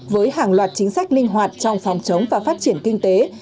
với hàng loạt chính sách linh hoạt trong phòng chống và phát triển kinh tế